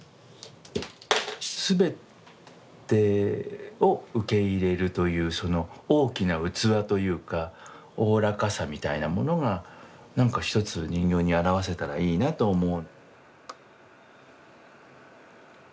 全てを受け入れるというその大きな器というかおおらかさみたいなものがなんかひとつ人形に表せたらいいなと思う。